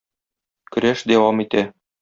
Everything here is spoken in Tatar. Көрәш дәвам итә.